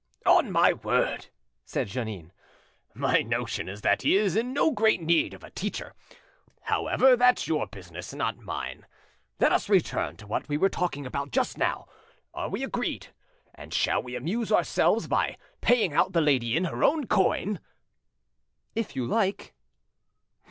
"On my word," said Jeannin, "my notion is that he is in no great need of a teacher; however, that's your business, not mine. Let us return to what we were talking about just now. Are we agreed; and shall we amuse ourselves by paying out the lady in, her own coin?" "If you like."